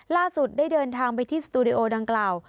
ได้เดินทางไปที่สตูดิโอดังกล่าว